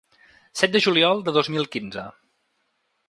Set de juliol de dos mil quinze.